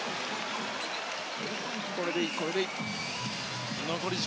これでいい。